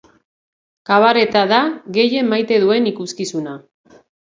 Kabareta da gehien maite duen ikuskizuna.